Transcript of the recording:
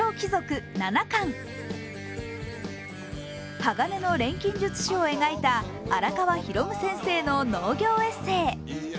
「鋼の錬金術師」を描いた荒川弘先生の農業エッセイ。